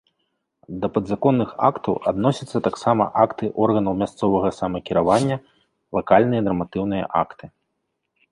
Да падзаконных актаў адносяцца таксама акты органаў мясцовага самакіравання, лакальныя нарматыўныя акты.